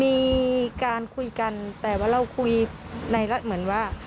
มีการคุยกันแต่ว่าเราคุยในเหมือนว่า